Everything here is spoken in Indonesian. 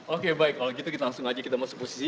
oke baik kalau gitu kita langsung aja kita masuk posisi